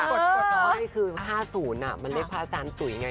กดน้อยคือ๕๐มันเรียกพระอาจารย์ตุ๋ยไง